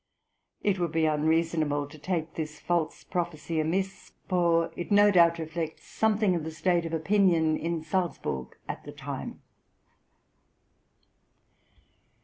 It would be unreasonable to take this false prophecy amiss, for it no doubt reflects something of the state of opinion in Salzburg at the time.